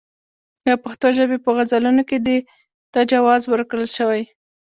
د پښتو ژبې په غزلونو کې دې ته جواز ورکړل شوی.